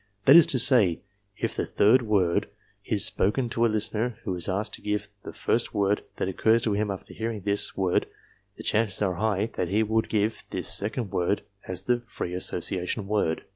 That is to say, if the third word is spoken to a listener who is asked to give the first word that occurs to him after hearing this word the chances are high that he will give this second word as the "free association" word.